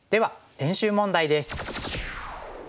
練習問題です。